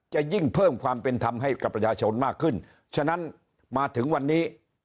จะยิ่งเพิ่มความเป็นธรรมให้กับประชาชนมากขึ้นฉะนั้นมาถึงวันนี้